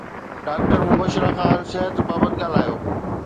doctor Mubashira Khan صحت بابت ڳالهايو